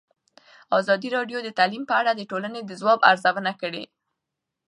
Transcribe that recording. ازادي راډیو د تعلیم په اړه د ټولنې د ځواب ارزونه کړې.